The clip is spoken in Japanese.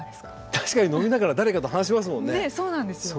確かに飲みながら誰かと話しますもんね。